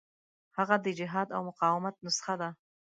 هغه د جهاد او مقاومت نسخه ده.